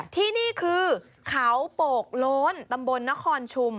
ที่นี่คือเขาโปกโล้นตำบลนครชุม